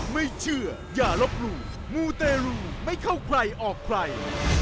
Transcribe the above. ไม่เชื่ออย่าลบหลู่มูเตรูไม่เข้าใครออกใคร